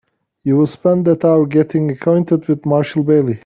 You will spend that hour getting acquainted with Marshall Bailey.